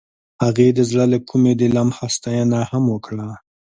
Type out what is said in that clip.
هغې د زړه له کومې د لمحه ستاینه هم وکړه.